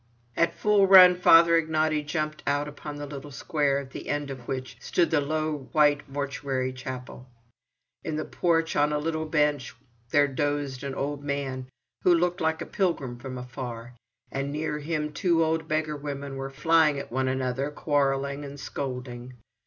At full run Father Ignaty jumped out upon the little square at the end of which stood the low white mortuary chapel. In the porch on a little bench there dozed an old man who looked like a pilgrim from afar, and near him two old beggar women were flying at one another, quarrelling and scolding.